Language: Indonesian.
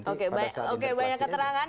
oke banyak keterangan